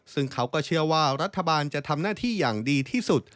ซึ่งเขาก็เชื่อว่ารัฐบาลจะทำหน้าที่อย่างดีที่สุด